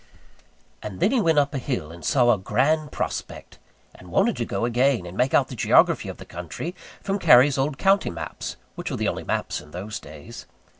And then he went up a hill, and saw a grand prospect; and wanted to go again, and make out the geography of the country from Cary's old county maps, which were the only maps in those days.